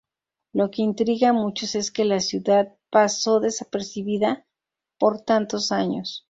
Lo que intriga a muchos es que la ciudad paso desapercibida por tantos años.